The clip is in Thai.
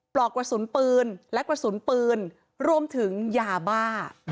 ปลอกผสูนพื้นแรกผสูนพื้นรวมถึงยาบา